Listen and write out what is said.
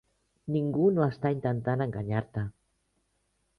Ningú no està intentant enganyar-te.